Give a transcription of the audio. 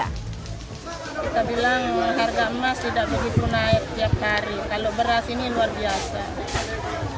kita bilang harga emas tidak begitu naik tiap hari kalau beras ini luar biasa